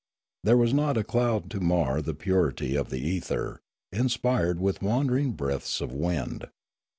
There was not a cloud to mar the purity of the ether, inspired with wandering breaths of wind.